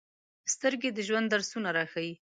سترګې د ژوند درسونه راښيي